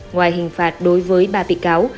ngoài hình phạt đối với bà bị cáo